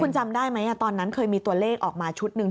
คุณจำได้ไหมตอนนั้นเคยมีตัวเลขออกมาชุดหนึ่ง